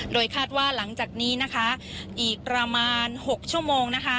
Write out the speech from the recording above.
โดยคาดว่าหลังจากนี้อีกประมาณ๖ชั่วโมง